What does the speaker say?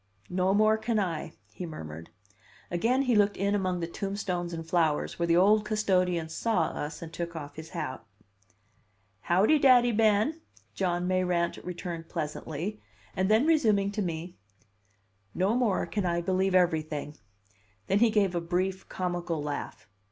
"No more can I," he murmured. Again he looked in among the tombstones and flowers, where the old custodian saw us and took off his hat. "Howdy, Daddy Ben!" John Mayrant returned pleasantly, and then resuming to me: "No more can I believe everything." Then he gave a brief, comical laugh.